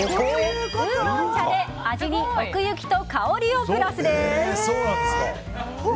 ウーロン茶で味に奥行きと香りをプラスです。